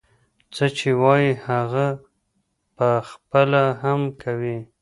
څه چې وايي هغه پخپله هم کوي.